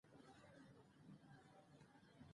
ازادي راډیو د کلتور په اړه د پوهانو څېړنې تشریح کړې.